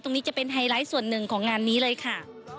จะเป็นไฮไลท์ส่วนหนึ่งของงานนี้เลยค่ะ